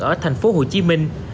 ở thành phố hồ chí minh